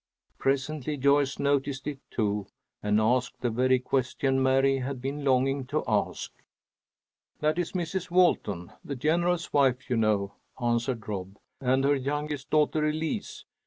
Presently Joyce noticed it too, and asked the very question Mary had been longing to ask. "That is Mrs. Walton, the General's wife, you know," answered Rob, "and her youngest daughter, Elise.